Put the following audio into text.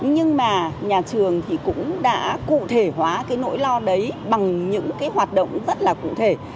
nhưng mà nhà trường thì cũng đã cụ thể hóa cái nỗi lo đấy bằng những cái hoạt động rất là cụ thể